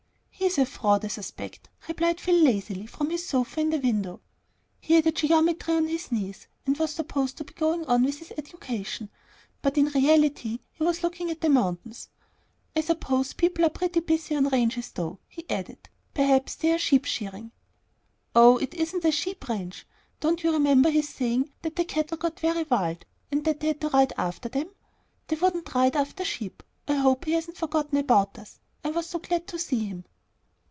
"He's a fraud, I suspect," replied Phil, lazily, from his seat in the window. He had a geometry on his knees, and was supposed to be going on with his education, but in reality he was looking at the mountains. "I suppose people are pretty busy on ranches, though," he added. "Perhaps they're sheep shearing." "Oh, it isn't a sheep ranch. Don't you remember his saying that the cattle got very wild, and they had to ride after them? They wouldn't ride after sheep. I hope he hasn't forgotten about us. I was so glad to see him."